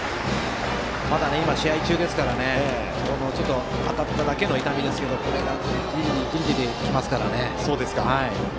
まだ今は試合中ですからちょっと当たっただけの痛みですがジリジリジリジリきますからね。